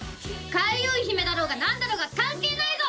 開運姫だろうが何だろうが関係ないぞ！